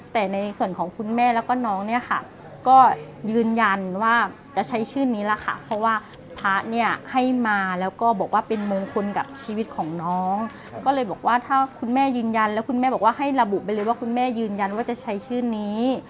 แล้วก็บอกว่าเป็นมงคลกับชีวิตของน้องก็เลยบอกว่าถ้าคุณแม่ยืนยันแล้วคุณแม่บอกว่าให้ระบุไปเลยว่าคุณแม่ยืนยันว่าจะใช้ชื่อนี้